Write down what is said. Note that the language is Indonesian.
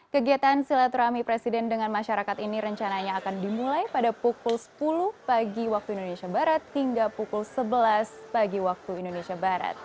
kegiatan silaturahmi presiden dengan masyarakat ini rencananya akan dimulai pada pukul sepuluh pagi waktu indonesia barat hingga pukul sebelas pagi waktu indonesia barat